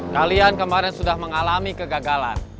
kalian kemarin sudah mengalami kegagalan